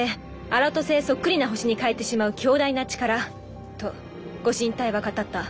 星そっくりな星に変えてしまう強大な力と御神体は語った。